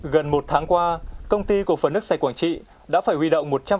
gần một tháng qua công ty của phần nước xây quảng trị đã phải huy động một trăm linh lực lượng nào vét